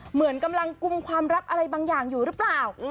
เหมือนกำลังกุมความรับอะไรบางอย่างอยู่หรือเปล่า